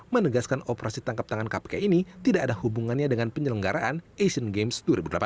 menegaskan operasi tangkap tangan kpk ini tidak ada hubungannya dengan penyelenggaraan asian games dua ribu delapan belas